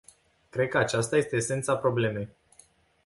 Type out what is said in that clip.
Cred că aceasta este esența problemei.